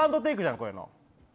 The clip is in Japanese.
こういうの。